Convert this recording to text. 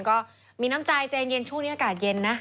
ก็มีน้ำใจใจเย็นช่วงนี้อากาศเย็นนะ